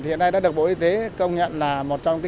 hiện nay đã được bộ y tế công nhận là